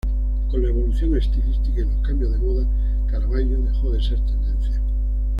Con la evolución estilística y los cambios de modas, Caravaggio dejó de ser tendencia.